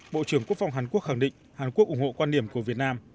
bộ trưởng quốc phòng hàn quốc khẳng định hàn quốc ủng hộ quan điểm của việt nam